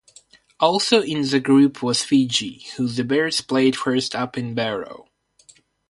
Also in their group was Fiji, who the Bears played first up in Barrow.